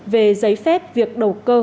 về giấy phép việc đầu cơ